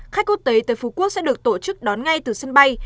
khách quốc tế tới phú quốc sẽ được tổ chức đón ngay từ sân bay